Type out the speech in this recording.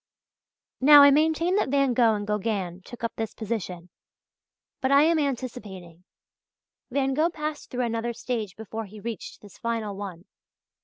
Now I maintain that Van Gogh and Gauguin took up this position. But I am anticipating. Van Gogh passed through another stage before he reached this final one.